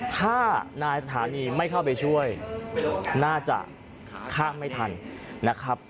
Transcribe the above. ถ้านายสถานีไม่เข้าไปช่วยต้องการข้ามก็คาดไปไม่ทันนะครับ